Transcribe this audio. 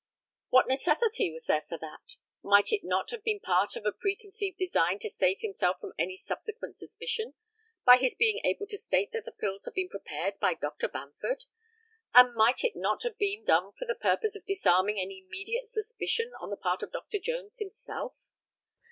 What necessity was there for that? Might it not have been part of a preconceived design to save himself from any subsequent suspicion, by his being able to state that the pills had been prepared by Dr. Bamford? and might it not have been done for the purpose of disarming any immediate suspicion on the part of Dr. Jones himself?